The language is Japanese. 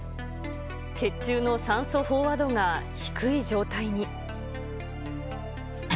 血中の酸素飽和度が低い状態に。